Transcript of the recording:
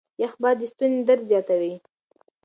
يخ باد د ستوني درد زياتوي.